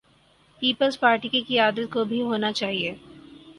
Peoples Party کی قیادت کو بھی ہونا چاہیے۔